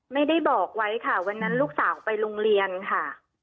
ไม่ได้บอกไว้ค่ะวันนั้นลูกสาวไปโรงเรียนค่ะ